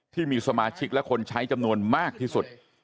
ที่มีสมาชิกและคนใช้จำนวนมากที่สุด